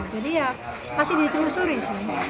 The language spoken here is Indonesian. jadi ya masih ditelusuri sih